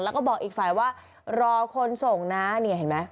แล้วก็บอกอีกฝ่ายว่ารอคนส่งนะเนี่ยเห็นไหม